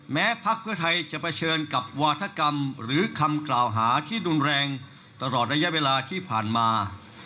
พักเพื่อไทยจะเผชิญกับวาธกรรมหรือคำกล่าวหาที่รุนแรงตลอดระยะเวลาที่ผ่านมา